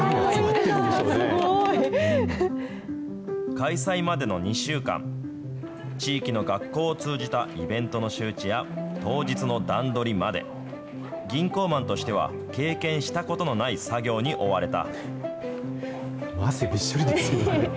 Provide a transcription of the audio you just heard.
開催までの２週間、地域の学校を通じたイベントの周知や、当日の段取りまで、銀行マンとしては経験したことのない作業に追われた。